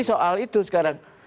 soal itu sekarang